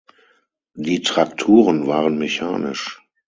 Die Trakturen waren mechanisch.